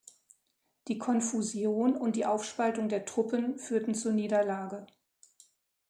Die Konfusion und die Aufspaltung der Truppen führten zur Niederlage.